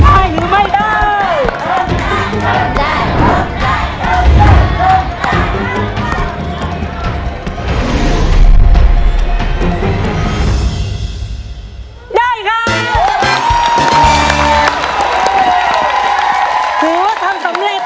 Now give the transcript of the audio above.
ทันเดียวจะเจ็บหน่อยสี่หมื่นจะได้กระต้อนหรือไม่ได้